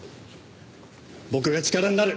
僕が力になる！